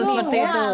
iya seperti itu